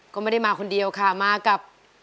ก็ไม่ได้มาคนเดียวค่ะมากับ